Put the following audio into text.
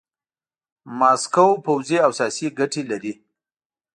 ماسکو پوځي او سیاسي ګټې لري.